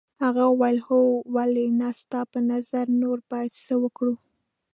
هغې وویل هو ولې نه ستا په نظر نور باید څه وکړو.